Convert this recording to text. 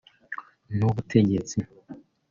n’ubutegetsi